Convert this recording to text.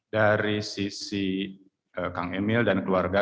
dari sisi kang emil dan keluarga